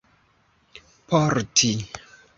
porti